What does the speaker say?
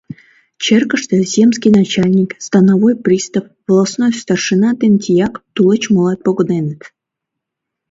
Черкышке земский начальник, становой пристав, волостной старшина ден тияк, тулеч молат погыненыт.